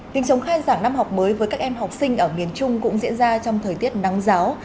tình chống khai giảng năm học mới với các em học sinh ở miền trung cũng diễn ra trong thời tiết nắng giáo